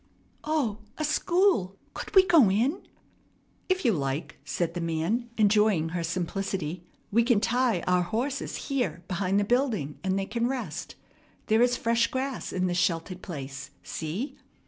"O! A school! Could we go in?" "If you like," said the man, enjoying her simplicity. "We can tie out horses here behind the building, and they can rest. There is fresh grass in this sheltered place; see?"